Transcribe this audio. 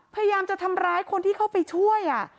พยายามจะทำร้ายคนที่เข้าไปช่วย